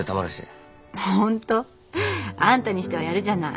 ホント？あんたにしてはやるじゃない。